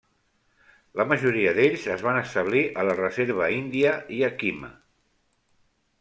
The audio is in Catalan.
La majoria d'ells es van establir a la reserva índia Yakima.